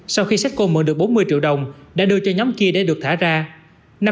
sau khi setsko mượn được bốn mươi triệu đồng đã đưa cho nhóm kia để được thả ra